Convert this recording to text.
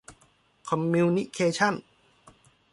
คอมมิวนิเคชั่น